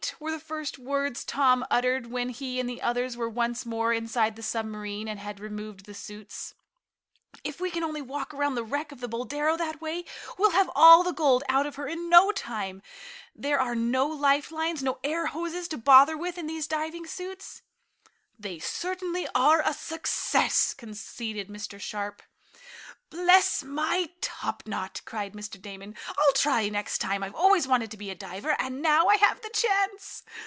were the first words Tom uttered when he and the others were once more inside the submarine and had removed the suits. "If we can only walk around the wreck of the Boldero that way, we'll have all the gold out of her in no time. There are no life lines nor air hose to bother with in these diving suits." "They certainly are a success," conceded Mr. Sharp. "Bless my topknot!" cried Mr. Damon. "I'll try it next time. I've always wanted to be a diver, and now I have the chance."